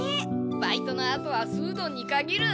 バイトのあとは素うどんにかぎる！